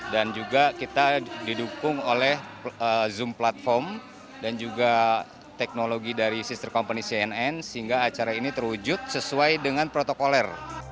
dan juga kita didukung oleh zoom platform dan juga teknologi dari sister company cnn sehingga acara ini terwujud sesuai dengan protokoler